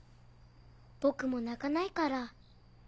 僕も泣かないから。